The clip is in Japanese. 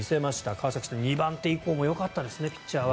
川崎さん、２番手以降もよかったですね、ピッチャーは。